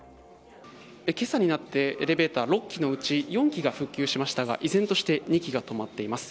今朝になってエレベーター６基のうち４基が復旧しましたが依然として２基が止まっています。